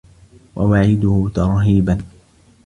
وَوَعِيدُهُ تَرْهِيبًا